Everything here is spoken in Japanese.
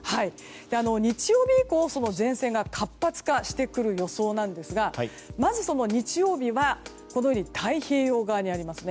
日曜日以降、前線が活発化してくる予想なんですが日曜日は、太平洋側にあります。